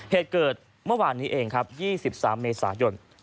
เหตุเกิดเมื่อวานนี้เองครับ๒๓เมษายน